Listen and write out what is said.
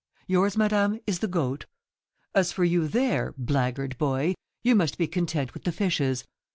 Yours, madame, is the Goat. As for you there, blackguard boy, you must be content with the Fishes.